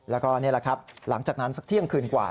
แล้วก็นี่แหละครับหลังจากนั้นสักเที่ยงคืนกว่า